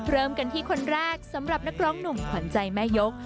เริ่มกันที่คนแรกสำหรับนักร้องหนุ่มขวัญใจแม่ยก